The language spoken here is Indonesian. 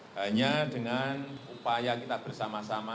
hanya dengan upaya kita bersama sama